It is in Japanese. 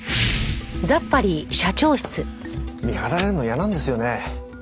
見張られるの嫌なんですよね。